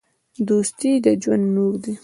دوستي د ژوند نور دی.